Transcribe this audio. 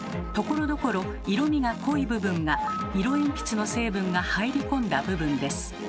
ところどころ色みが濃い部分が色鉛筆の成分が入り込んだ部分です。